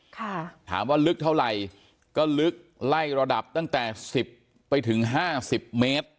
ค่ะถามว่าลึกเท่าไหร่ก็ลึกไล่ระดับตั้งแต่สิบไปถึงห้าสิบเมตร